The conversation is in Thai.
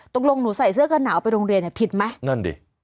หนูใส่เสื้อกันหนาวไปโรงเรียนเนี่ยผิดไหมนั่นดิ